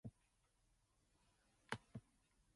In the simplest contexts, no further distinction is made.